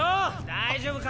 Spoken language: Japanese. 大丈夫か？